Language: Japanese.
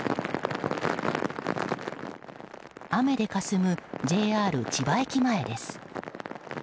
雨でかすむＪＲ千葉駅前です。